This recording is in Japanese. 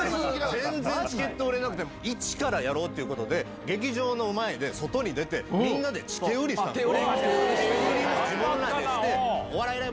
全然チケット売れなくて、一からやろうということで、劇場の前で、外に出て、みんなでチケ売りしたんですよ。